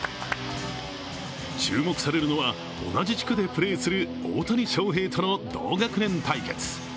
注目されるのは、同じ地区でプレーする大谷翔平との同学年対決。